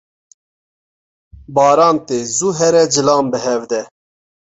Baran tê zû here cilan bihevde.